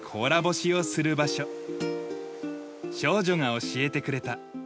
少女が教えてくれた。